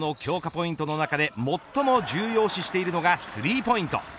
ポイントの中で最も重要視しているのがスリーポイント。